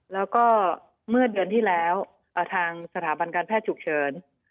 แล้วก็เมื่อเดือนที่แล้วทางสถาบันการแพทย์ฉุกเฉิน